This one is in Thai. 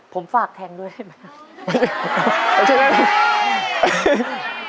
ผมฝากแทงด้วยได้ไหมครับ